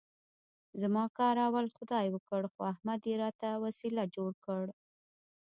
زما کار اول خدای وکړ، خو احمد یې راته وسیله جوړ کړ.